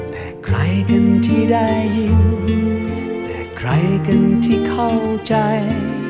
แต่ใครกันที่ได้ยินแต่ใครกันที่เข้าใจ